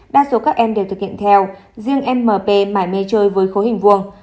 đa số các em đều thực hiện theo riêng mp mãi mê chơi với khối hình vuông